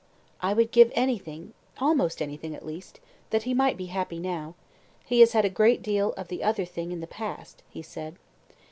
"I would give anything almost anything, at least that he might be happy now; he has had a great deal of the other thing in the past," he said.